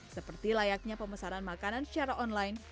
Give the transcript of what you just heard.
seperti layaknya pemesanan makanan secara online